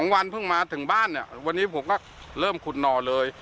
วันเพิ่งมาถึงบ้านเนี่ยวันนี้ผมก็เริ่มขุดหน่อเลย